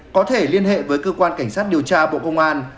có thể liên hệ với cơ quan cảnh sát điều tra bộ công an